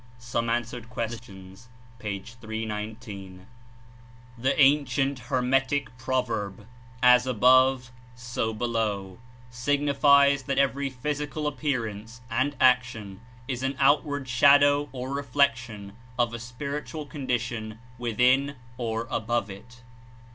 ''Some Answered Questions" p. 319.) The Ancient Hermetic proverb, "As above — so be low," signifies that every physical appearance and ac tion is an outward shadow or reflection of a spirit ual condition within or above It.